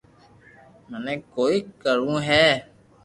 منو ڪوئي ڪروہ ھئ